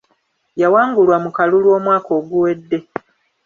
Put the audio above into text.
Yawangulwa mu kalulu omwaka oguwedde.